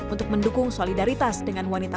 untuk mendukung solidaritas dengan wanita